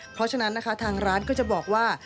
เพราะฉะนั้นนะคะทางร้านก็จะบอกว่า